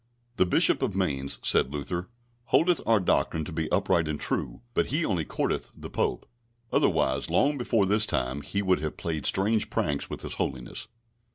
"The Bishop of Mainz," said Luther, "holdeth our doctrine to be upright and true, but he only courteth the Pope, otherwise long before this time he would have played strange pranks with his Holiness."